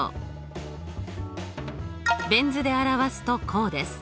ベン図で表すとこうです。